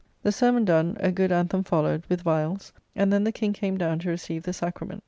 The sermon done, a good anthem followed, with vialls, and then the King came down to receive the Sacrament.